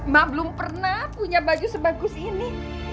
mak belum pernah punya baju sebagus ini